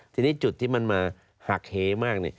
ทีนี้จุดที่มันเหงมาก